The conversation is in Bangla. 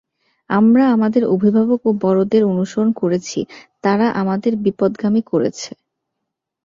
আমরা আমাদের অভিভাবক ও বড়দের অনুসরণ করেছি, তারা আমাদের বিপথগামী করেছে।